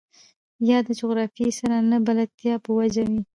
يا د جغرافيې سره نه بلدتيا په وجه وي.